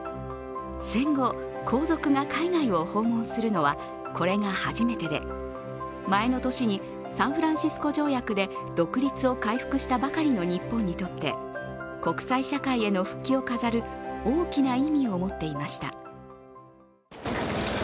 戦後、皇族が海外を訪問するのはこれが初めてで前の年にサンフランシスコ条約で独立を回復したばかりの日本にとって国際社会への復帰を飾る大きな意味を持っていました。